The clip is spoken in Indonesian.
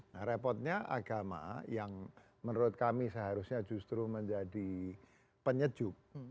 nah repotnya agama yang menurut kami seharusnya justru menjadi penyejuk